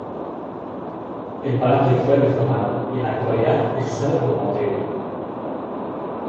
El palacio fue reformado y en la actualidad es usado como hotel.